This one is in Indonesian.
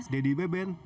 dedy beben bekasi